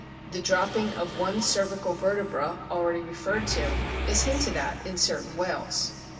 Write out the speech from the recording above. the dropping of one cervical vertebra, already referred to, is hinted at in certain whales.